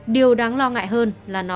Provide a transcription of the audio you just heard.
điều đáng lo ngại hơn là